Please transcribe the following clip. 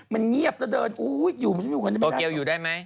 มันเงียบเธอเดินโตเกียวอยู่ได้ไหม